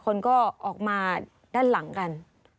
คนก็ออกมาด้านหลังกัน